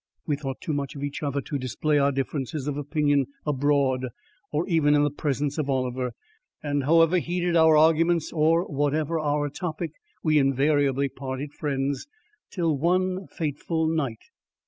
We thought too much of each other to display our differences of opinion abroad or even in the presence of Oliver; and however heated our arguments or whatever our topic we invariably parted friends, till one fateful night.